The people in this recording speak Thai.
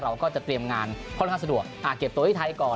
เราก็จะเตรียมงานค่อนข้างสะดวกเก็บตัวที่ไทยก่อน